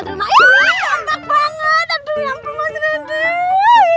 aduh ampun mas randy